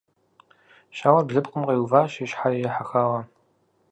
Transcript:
Щауэр блыпкъым къиуващ и щхьэр ехьэхауэ.